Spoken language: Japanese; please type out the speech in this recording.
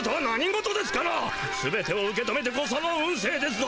すべてを受け止めてこその運せいですぞ。